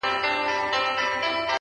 دا څه خبره ده. بس ځان خطا ايستل دي نو.